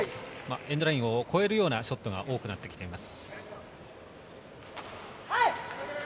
エンドラインを越えるようなショットが多くなってきます。